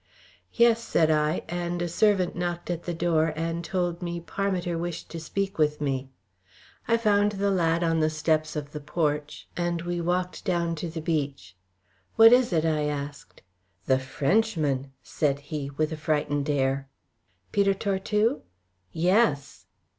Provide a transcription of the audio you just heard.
"Yes," said I, and a servant knocked at the door, and told me Parmiter wished to speak with me. I found the lad on the steps of the porch, and we walked down to the beach. "What is it?" I asked. "The Frenchman," said he, with a frightened air. "Peter Tortue?" "Yes."